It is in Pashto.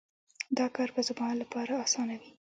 دا کار به زما لپاره اسانه وي